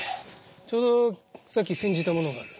ちょうどさっき煎じたものがある。